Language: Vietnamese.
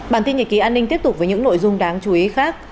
bản tin nhật ký an ninh tiếp tục với những nội dung đáng chú ý khác